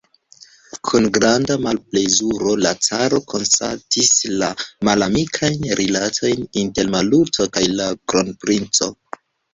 Kun granda malplezuro la caro konstatis la malamikajn rilatojn inter Maluto kaj la kronprinco.